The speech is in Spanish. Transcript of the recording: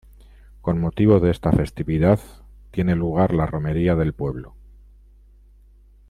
Con motivo de esta festividad tiene lugar la romería del pueblo.